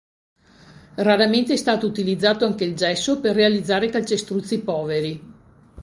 Raramente è stato utilizzato anche il gesso per realizzare calcestruzzi “poveri”.